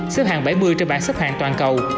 xếp hàng bảy mươi trên bảng xếp hạng toàn cầu